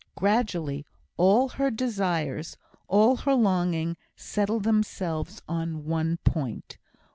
Gradually all her desires, all her longing, settled themselves on one point.